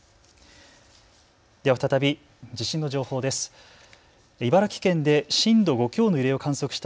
では再び地震の情報です。